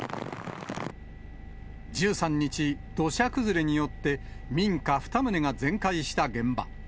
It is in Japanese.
１３日、土砂崩れによって民家２棟が全壊した現場。